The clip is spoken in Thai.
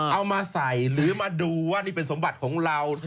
เอามาใส่หรือมาดูว่านี่เป็นสมบัติของเรา